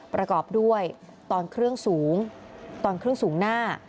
ประกอบด้วยตอนเครื่องสูงตอนเครื่องสูงหน้า